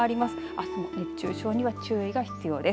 あすも熱中症には注意が必要です。